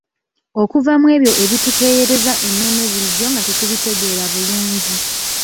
Okuva mw'ebyo ebitukeeyereza emmeeme bulijjo nga tetubitegeera bulungi.